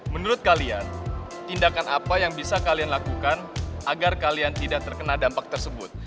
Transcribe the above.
menurut kalian tindakan apa yang bisa kalian lakukan agar kalian tidak terkena dampak tersebut